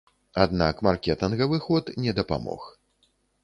Аднак маркетынгавы ход не дапамог.